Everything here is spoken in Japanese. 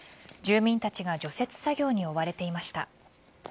住民たちが除雪作業に追われていました。